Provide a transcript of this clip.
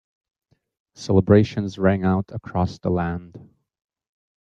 Celebrations rang out across the land.